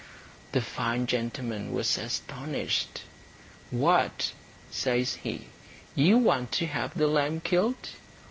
The fine gentleman was astonished. "What," says he, "you want to have the lamb killed?